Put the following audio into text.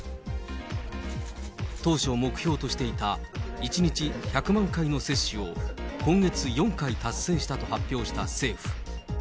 当初、目標としていた１日１００万回の接種を今月４回達成したと発表した政府。